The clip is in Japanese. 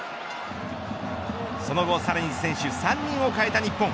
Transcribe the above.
その後さらに選手３人を代えた日本。